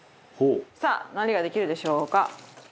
さあ何ができるでしょうか？